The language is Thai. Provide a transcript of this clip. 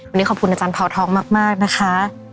วันนี้ขอบคุณอาจารย์เผาทองมากนะคะ